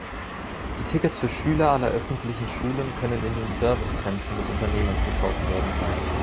Die Tickets für Schüler aller öffentlichen Schulen können in den Servicezentren des Unternehmens gekauft werden.